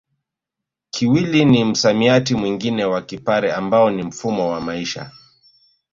Kiwili ni msamiati mwingine wa Kipare ambao ni mfumo wa maisha